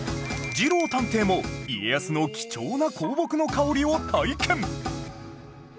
じろう探偵も家康の貴重な香木の香りを体験